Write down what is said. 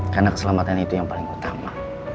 karena keselamatan itu yang paling utama